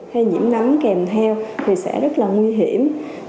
hay nhiễm nóng kèm theo thì sẽ rất là nguy hiểm